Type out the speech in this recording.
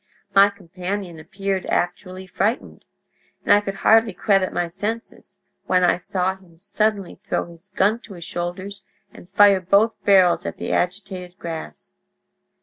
My companion appeared actually frightened, and I could hardly credit my senses when I saw him suddenly throw his gun to his shoulders and fire both barrels at the agitated grass!